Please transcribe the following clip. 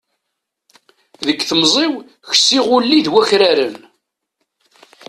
Deg temẓi-w ksiɣ ulli d wakraren